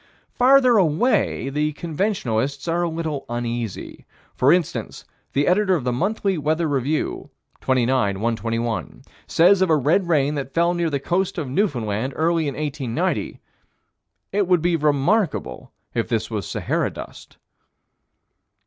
Farther away, the conventionalists are a little uneasy: for instance, the editor of the Monthly Weather Review, 29 121, says of a red rain that fell near the coast of Newfoundland, early in 1890: "It would be very remarkable if this was Sahara dust."